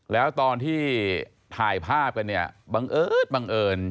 แล้วตอนที่ถ่ายภาพกันบังเอิญ